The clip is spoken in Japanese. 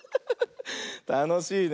たのしいね。